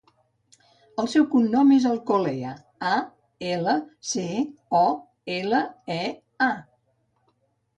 El seu cognom és Alcolea: a, ela, ce, o, ela, e, a.